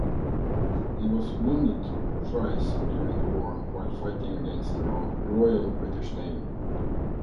He was wounded thrice during the war while fighting against the Royal British Navy.